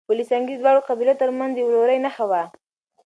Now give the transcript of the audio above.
پل سنګي د دواړو قبيلو ترمنځ د ورورۍ نښه وه.